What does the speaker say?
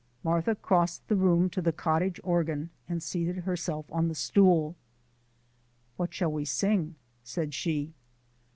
Martha crossed the room to the cottage organ and seated herself on the stool. "What shall we sing?" said she.